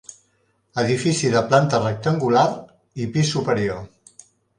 Edifici de planta rectangular, i pis superior.